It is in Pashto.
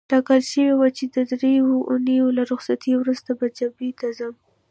ټاکل شوې وه چې د دریو اونیو له رخصتۍ وروسته به جبهې ته ځم.